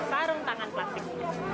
tarung tangan plastik